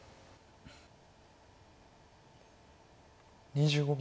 ２５秒。